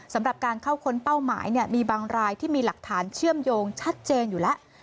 สำหรับการเข้าค้นเป้าหมายมีบางรายที่มีหลักฐานเชื่อมโยงชัดเจนอยู่แล้ว